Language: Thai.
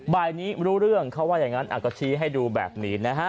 บ่ายนี้รู้เรื่องเขาว่าอย่างนั้นก็ชี้ให้ดูแบบนี้นะฮะ